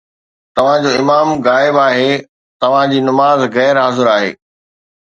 توهان جو امام غائب آهي، توهان جي نماز غير حاضر آهي